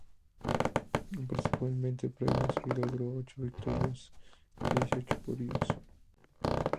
Participó en veinte pruebas y logró ocho victorias y dieciocho podios.